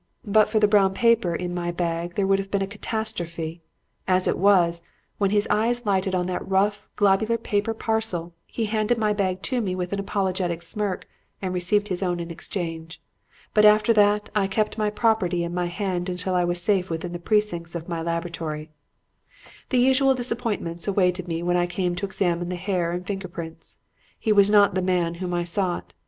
But for the brown paper in my bag, there would have been a catastrophe. As it was, when his eye lighted on that rough, globular paper parcel he handed me my bag with an apologetic smirk and received his own in exchange. But after that, I kept my property in my hand until I was safe within the precincts of my laboratory. "The usual disappointment awaited me when I came to examine the hair and finger prints. He was not the man whom I sought.